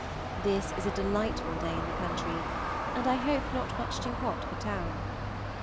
This is a delightful day in the country, and I hope not much too hot for town.